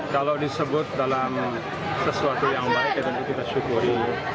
kalau disebut dalam sesuatu yang baik kita syukuri